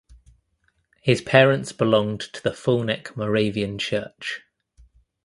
His parents belonged to the Fulneck Moravian Church.